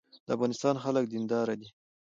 د افغانستان خلک دیندار دي